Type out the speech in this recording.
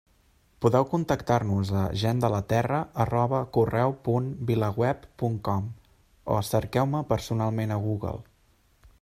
Podeu contactar-nos a gentdelaterra@correu.vilaweb.com o cerqueu-me personalment a Google.